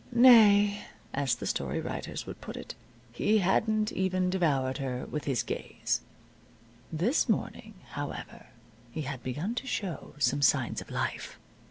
Nay (as the story writers would put it), he hadn't even devoured her with his gaze. This morning, however, he had begun to show some signs of life.